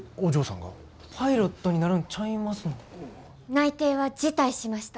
内定は辞退しました。